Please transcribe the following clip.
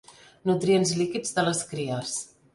Nutrients líquids de les cries.